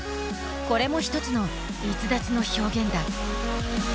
これも一つの逸脱の表現だ。